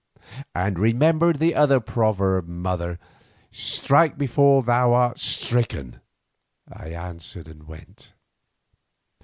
'" "And remember the other proverb, mother: 'Strike before thou art stricken,'" I answered, and went.